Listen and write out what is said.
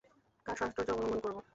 কার সাহচর্য অবলম্বন করব?